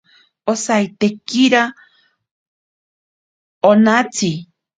Osaitekira onatsi.